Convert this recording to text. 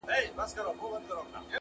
• نه پوهیږو ماتوو د چا هډونه -